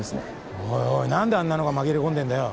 おいおい何であんなのが紛れ込んでんだよ。